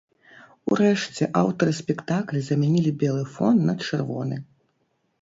Урэшце аўтары спектакля замянілі белы фон на чырвоны.